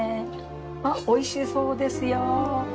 あっおいしそうですよ。